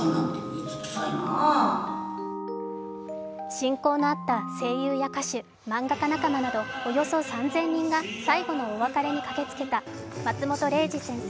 親交のあった声優や歌手、漫画家仲間などおよそ３０００人が最後のお別れに駆けつけた、松本零士先生